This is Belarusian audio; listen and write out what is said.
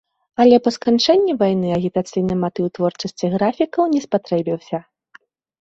Але па сканчэнні вайны агітацыйны матыў творчасці графікаў не спатрэбіўся.